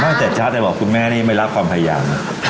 ตั้งแต่เช้าแต่บอกคุณแม่นี่ไม่รับความพยายาม